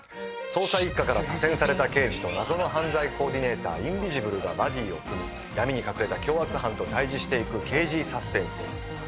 捜査一課から左遷された刑事と謎の犯罪コーディネーターインビジブルがバディを組み闇に隠れた凶悪犯と対峙していく刑事サスペンスです